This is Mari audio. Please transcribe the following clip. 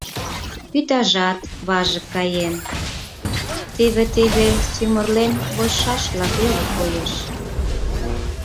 Вӱтажат важык каен — теве-теве сӱмырлен вочшашла веле коеш.